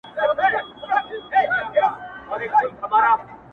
• لا سلمان یې سر ته نه وو درېدلی ,